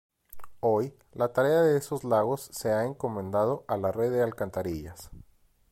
Hoy, la tarea de esos lagos se ha encomendado a la red de alcantarillas.